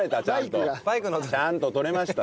ちゃんと録れました。